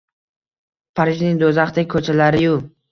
Parijning do’zaxdek ko’chalari-yu